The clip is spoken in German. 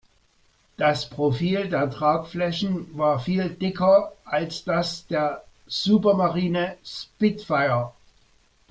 Das Profil der Tragflächen war viel dicker als das der Supermarine Spitfire.